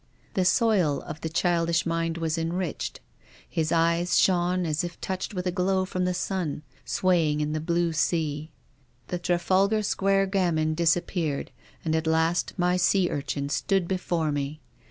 The soil of the childish mind was enriched ; his eyes shone as if touched with a glow from the sun, swaying in the blue sea. The Trafalgar Square gamin disappeared, and at last my sea urchin stood before me.